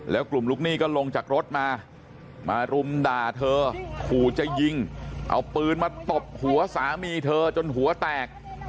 แล้วกลุ่มลูกหนี้ก็ลงจากรถมามารุมด่าเธอขู่จะยิงเอาปืนมาตบหัวสามีเธอจนหัวแตก